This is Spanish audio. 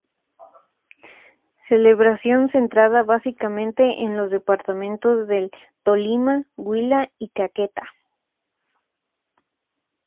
Celebración centrada básicamente en los departamentos del Tolima, Huila y Caquetá.